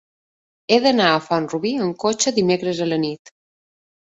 He d'anar a Font-rubí amb cotxe dimecres a la nit.